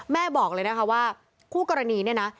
บอกเลยนะคะว่าคู่กรณีเนี่ยนะ